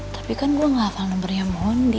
tapi kan gue nggak hafal nomernya mondi